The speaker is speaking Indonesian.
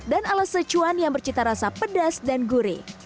dan ala secuan yang bercita rasa pedas dan gurih